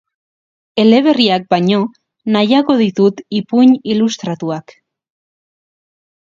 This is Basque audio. Eleberriak baino, nahiago ditut ipuin ilustratuak.